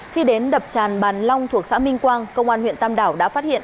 khi đến đập tràn bàn long thuộc xã minh quang công an huyện tam đảo đã phát hiện